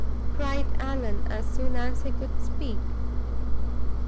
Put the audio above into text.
cried Allan, as soon as he could speak.